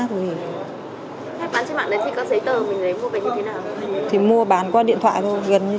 các bạn trên mạng lấy cái giấy tờ mình lấy mua về như thế nào